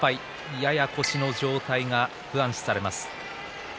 やや腰の状態が不安視されます。